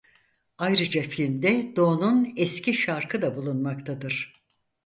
Ayrıca filmde Doğu'nun eski şarkı da bulunmaktadır.